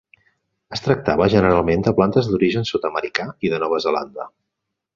Es tractava generalment de plantes d'origen sud-americà i de Nova Zelanda.